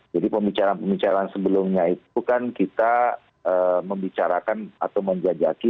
pembicaraan pembicaraan sebelumnya itu kan kita membicarakan atau menjajaki